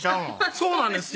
そうなんですよ